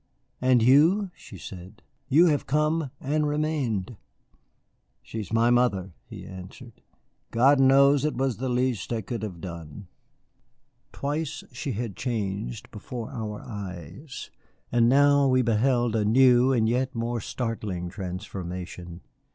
"And you?" she said. "You have come and remained." "She is my mother," he answered. "God knows it was the least I could have done." Twice she had changed before our eyes, and now we beheld a new and yet more startling transformation.